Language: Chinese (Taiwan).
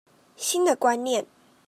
新的觀念